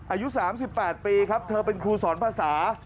อายุ๓๘ปีครับเธอเป็นครูสอนภาษา